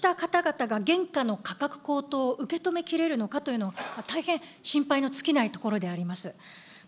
こうした方々が原価の価格高騰を受け止めきれるのかというのを大変心配の尽きないところであります。